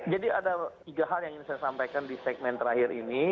jadi ada tiga hal yang ingin saya sampaikan di segmen terakhir ini